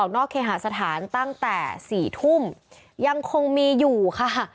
นอกเคหาสถานตั้งแต่๔ทุ่มยังคงมีอยู่ค่ะ